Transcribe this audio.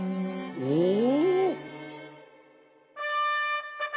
おお